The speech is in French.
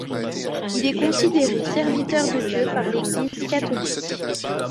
Il est considéré serviteur de Dieu par l’église catholique.